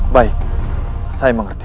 baik saya mengerti